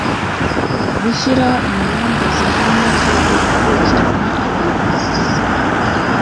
gushyiraho ingamba zihamye zo gukurikirana abayobozi